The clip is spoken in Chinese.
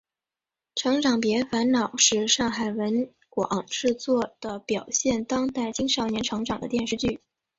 成长别烦恼是上海文广制作的表现当代青少年成长的电视剧。